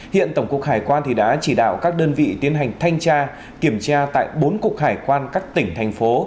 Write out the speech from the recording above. hiện tổng cục hải quan đã chỉ đạo các đơn vị tiến hành thanh tra kiểm tra tại bốn cục hải quan các tỉnh thành phố